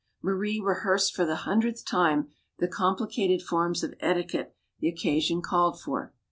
Marie rehearsed for the hundredth time the compli cated forms of etiquette the occasion called for.